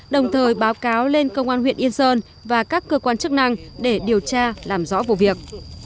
đồng thời báo cáo lên công an huyện yên sơn và các cơ quan chức năng để điều tra làm rõ vụ việc